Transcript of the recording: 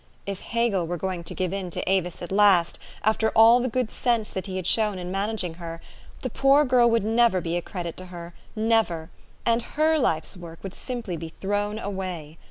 If Hegel were going to give in to Avis at last, after all the good sense that he had shown in managing her, the poor girl would never be a credit to her, never, and her life's work would sim ply be thrown away.